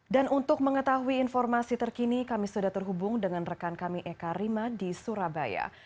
dan untuk mengetahui informasi terkini kami sudah terhubung dengan rekan kami eka rima di surabaya